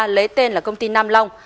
lấy tên là công ty nam long